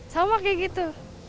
sama kayak gitu